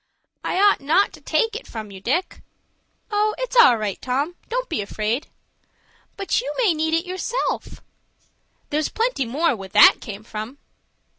"I ought not to take it from you, Dick." "Oh, it's all right, Tom. Don't be afraid." "But you may need it yourself." "There's plenty more where that came from."